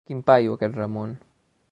Quin paio, aquest Ramon.